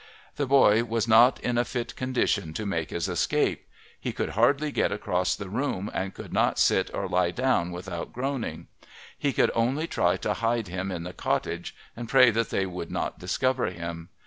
The boy was not in a fit condition to make his escape; he could hardly get across the room and could not sit or lie down without groaning. He could only try to hide him in the cottage and pray that they would not discover him.